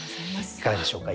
いかがでしょうか？